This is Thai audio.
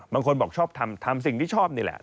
บางคนบอกชอบทำทำสิ่งที่ชอบนี่แหละ